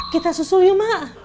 kita susul yuk mak